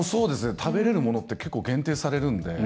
食べれるものって結構、限定されるので。